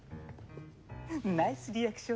ナイスリアクション。